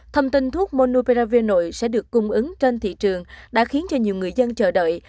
thông tin thuốc monuperav nội sẽ được cung ứng trên thị trường đã khiến cho nhiều người dân chờ đợi